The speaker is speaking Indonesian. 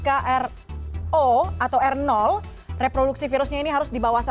atau r reproduksi virusnya ini harus di bawah satu